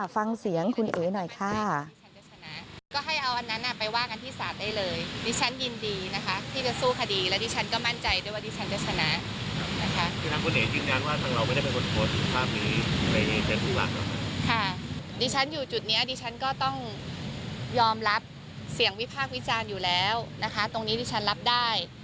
ฟังเสียงคุณเอ๋หน่อยค่ะ